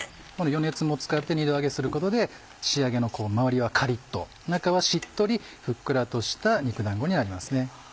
余熱も使って二度揚げすることで仕上げの周りはカリっと中はしっとりふっくらとした肉だんごになります。